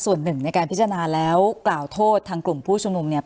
ส่วนหนึ่งในการพิจารณาแล้วกล่าวโทษทางกลุ่มผู้ชุมนุมเนี่ย